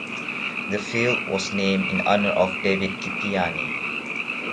The field was named in honour of David Kipiani.